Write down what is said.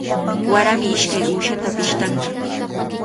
Warami ishkay uyshata pishtanqa.